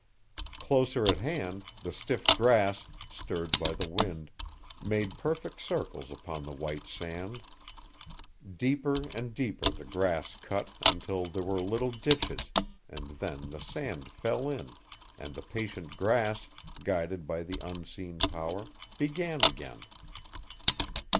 Closer at hand, the stiff grass, stirred by the wind, made perfect circles upon the white sand. Deeper and deeper the grass cut until there were little ditches, and then the sand fell in, and the patient grass, guided by the unseen power, began again.